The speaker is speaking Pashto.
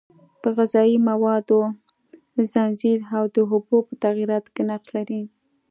په غذایي موادو ځنځیر او د اوبو په تغییراتو کې نقش لري.